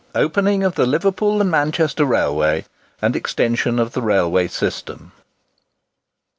OPENING OF THE LIVERPOOL AND MANCHESTER RAILWAY, AND EXTENSION OF THE RAILWAY SYSTEM.